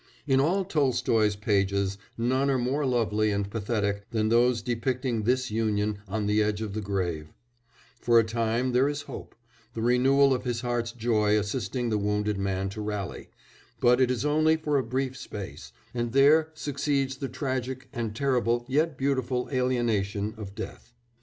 In all Tolstoy's pages none are more lovely and pathetic than those depicting this union on the edge of the grave; for a time there is hope the renewal of his heart's joy assisting the wounded man to rally but it is only for a brief space, and there succeeds the tragic and terrible yet beautiful alienation of death.